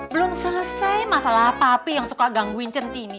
belum selesai masalah papi yang suka gangguin centini